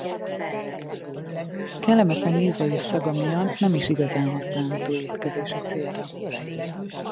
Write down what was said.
Kellemetlen íze és szaga miatt nem is igazán használható étkezési célra.